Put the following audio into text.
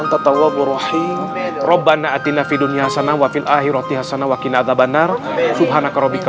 setawab rohi robana atina fidunyah sana wafil akhir hati hasan wakil ada banar subhanakarobika